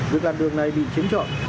việc làm đường này bị chiếm trọn